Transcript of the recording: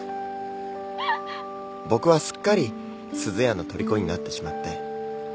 僕はすっかりすずやのとりこになってしまって。